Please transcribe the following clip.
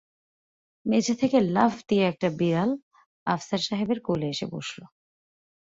মেঝে থেকে লাফ দিয়ে একটা বিড়াল আফসার সাহেবের কোলে এসে বসল।